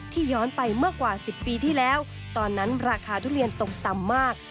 ย้อนไปเมื่อกว่า๑๐ปีที่แล้วตอนนั้นราคาทุเรียนตกต่ำมาก